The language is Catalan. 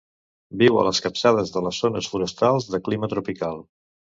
Viu a les capçades de les zones forestals de clima tropical.